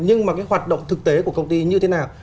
nhưng mà cái hoạt động thực tế của công ty như thế nào